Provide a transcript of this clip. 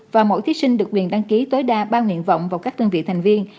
và mỗi thí sinh được quyền đăng ký tối đa ba nguyện vọng vào các đơn vị thành viên